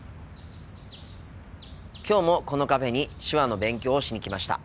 きょうもこのカフェに手話の勉強をしに来ました。